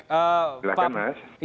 selamat siang mas